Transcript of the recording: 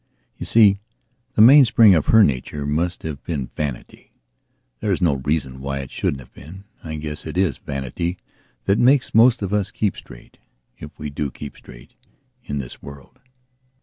You see, the mainspring of her nature must have been vanity. There is no reason why it shouldn't have been; I guess it is vanity that makes most of us keep straight, if we do keep straight, in this world.